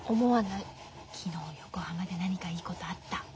昨日横浜で何かいいことあった。